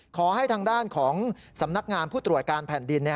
ขอให้ทางด้านของสำนักงานผู้ตรวจการแผ่นดิน